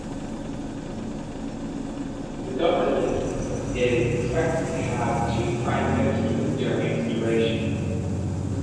The government is expected to have two prime ministers during its duration.